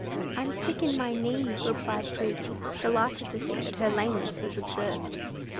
"I'm sick in my knee," replied Prudy, delighted to see that her lameness was observed.